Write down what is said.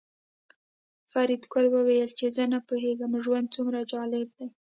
فریدګل وویل چې زه نه پوهېږم ژوند څومره جالب دی